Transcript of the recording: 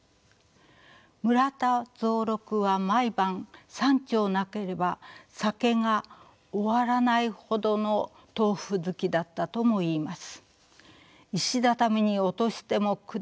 村田蔵六は毎晩３丁なければ酒が終わらないほどの豆腐好きだったともいいます。